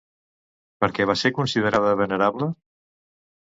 Per què va ser considerada venerable?